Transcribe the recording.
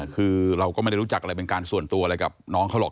คือเราก็ไม่ได้รู้จักอะไรเป็นการส่วนตัวอะไรกับน้องเขาหรอก